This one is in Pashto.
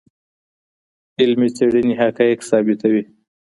علمي څېړني حقایق ثابتوي.